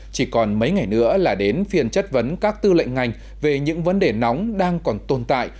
chỉ còn mấy ngày nữa là đến phiên chất vấn các tư lệnh ngành về những vấn đề nóng đang còn tồn tại